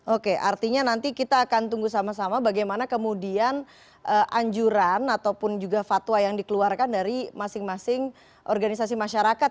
oke artinya nanti kita akan tunggu sama sama bagaimana kemudian anjuran ataupun juga fatwa yang dikeluarkan dari masing masing organisasi masyarakat